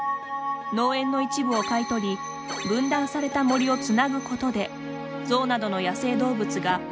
農園の一部を買い取り分断された森をつなぐことで象などの野生動物が安全に通れるようにします。